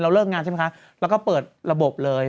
เราเลิกงานใช่ไหมคะเราก็เปิดระบบเลย